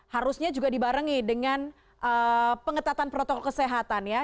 harusnya juga dibarengi dengan pengetatan protokol kesehatan ya